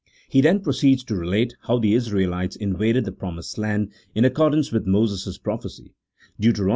He then proceeds to relate how the Israelites invaded the promised land in accordance with Moses' prophecy (Deut.